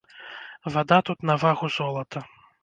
Вада тут на вагу золата.